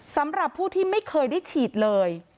สำหรับผู้ที่ไม่เคยได้ฉีดเลย